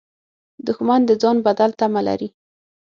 دښمن د ځان بدل تمه لري